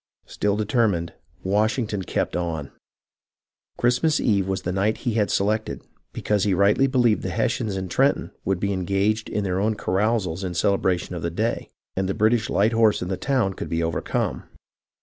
Still determined, Washington kept on. Christmas Eve was the night he had selected, because he rightly believed the Hessians in Trenton would be engaged in their own carousals in celebration of the day, and the British light horse in the town could be overcome.